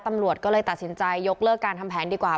ตำรวจก็เลยตัดสินใจยกเลิกการทำแผนดีกว่า